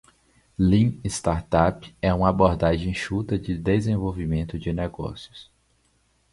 Lean Startup é uma abordagem enxuta de desenvolvimento de negócios.